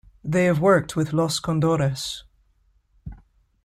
They have worked with Los Condores.